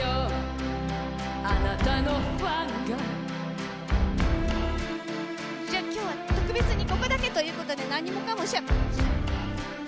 あなたのファンが」じゃあ今日は特別にここだけという事で何もかもしゃべすいません